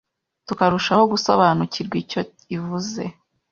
tukarushaho gusobanukirwa icyo ivuze